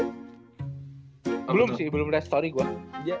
belum sih belum liat story gua